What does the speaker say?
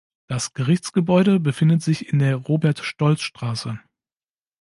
Das Gerichtsgebäude befindet sich in der "Robert-Stolz-Str.